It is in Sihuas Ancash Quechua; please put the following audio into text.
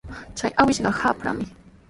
Chay awkishqa qaprami.